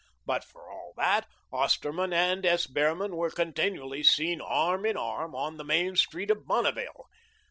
But for all that, Osterman and S. Behrman were continually seen arm in arm on the main street of Bonneville.